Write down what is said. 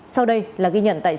sau đây là ghi nhận tài liệu